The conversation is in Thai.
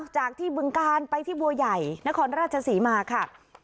จากที่บึงกาลไปที่บัวใหญ่นครราชศรีมาค่ะ